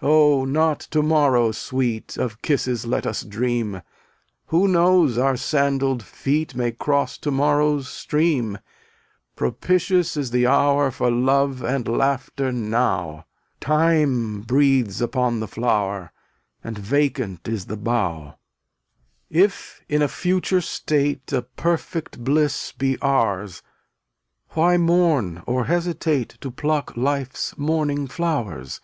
256 Oh, not to morrow, Sweet, Of kisses let us dream; Who knows our sandaled feet May cross to morrow's stream? Propitious is the hour For love and laughter now; Time breathes upon the flower And vacant is the bough. €>mat 257 If in a future state A perfect bliss be ours, Why mourn or hesitate \J>£' To pluck life's morning flowers?